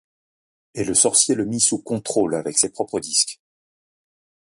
Et le Sorcier le mit sous contrôle avec ses propres disques.